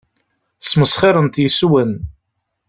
Ssmesxirent yes-wen.